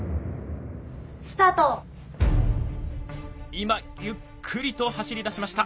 今ゆっくりと走りだしました。